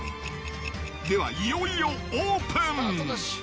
では、いよいよオープン。